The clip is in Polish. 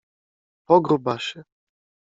Po grubasie.